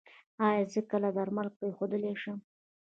ایا زه کله درمل پریښودلی شم؟